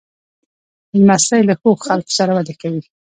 لمسی له ښو خلکو سره وده کوي.